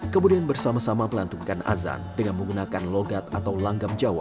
kemudian bersama sama melantungkan azan dengan menggunakan logat atau langgam jawa